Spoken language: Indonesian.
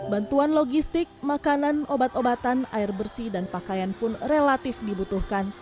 bantuan logistik makanan obat obatan air bersih dan pakaian pun relatif dibutuhkan